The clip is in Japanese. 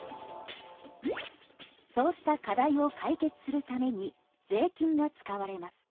そうした課題を解決するために税金が使われます。